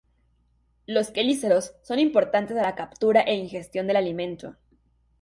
Los quelíceros son importantes en la captura e ingestión del alimento.